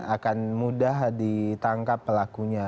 akan mudah ditangkap pelakunya